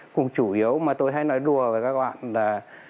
cùng chủ yếu mà tôi hay nói đùa với các bạn là